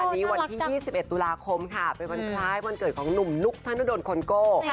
ในวันนี้๒๑ตุลาคมค่ะเปลือนไหลวันเกิดของหนุ่มลุกถนนดนต์ขนโก